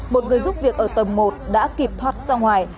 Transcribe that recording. một người giúp việc ở tầng một đã kịp thoát ra ngoài